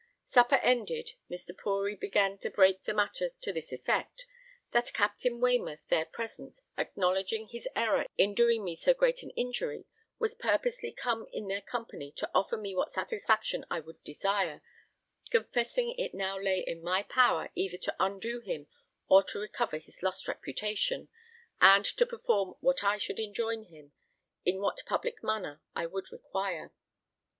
Supper ended, Mr. Poory began to break the matter to this effect: that Captain Waymouth there present, acknowledging his error in doing me so great an injury, was purposely come in their company to offer me what satisfaction I would desire, confessing it now lay in my power either to undo him or to recover his lost reputation, and to perform what I should enjoin him, in what public manner I would require.